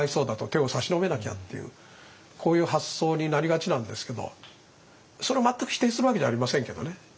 手を差し伸べなきゃっていうこういう発想になりがちなんですけどそれを全く否定するわけじゃありませんけどね。